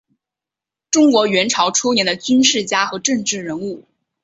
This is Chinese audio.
中国元朝初年的军事家和政治人物。